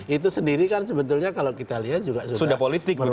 itu sendiri kan sebetulnya kalau kita lihat juga sudah politik